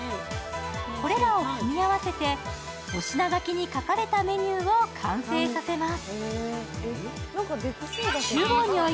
これらを組み合わせてお品書きに書かれたメニューを完成させます。